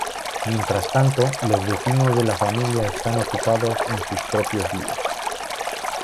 Mientras tanto, los vecinos de la familia están ocupados en sus propios líos.